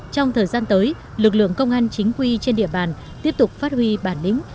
trong thời gian tới lực lượng công an chính quy trên địa bàn tiếp tục phát huy bản lĩnh